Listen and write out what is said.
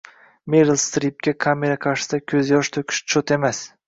Meril Stripga kamera qarshisida ko‘z yosh to‘kish cho‘t emas